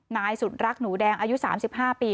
นายสุดรักหนูแดงอายุ๓๕ปี